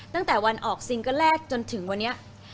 ตั้งแต่วันออกซิงเกิ้ลแรกจนถึงวันนี้